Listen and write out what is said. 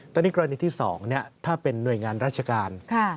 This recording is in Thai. ตอนนี้กรณีที่๒ถ้าเป็นหน่วยงานราชการ